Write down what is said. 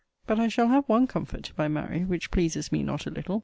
But I shall have one comfort, if I marry, which pleases me not a little.